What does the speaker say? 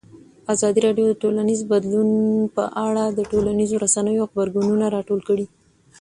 ازادي راډیو د ټولنیز بدلون په اړه د ټولنیزو رسنیو غبرګونونه راټول کړي.